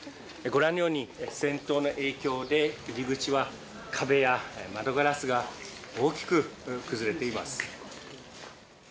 ご覧のように、戦闘の影響で入り口は壁や窓ガラスが大きく崩れています。